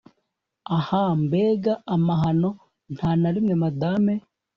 Ah mbega amahano nta na rimwe Madame